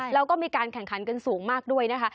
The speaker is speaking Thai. แล้วก็มีการแข่งขันกันสูงมากด้วยนะคะ